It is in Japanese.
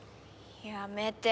やめて。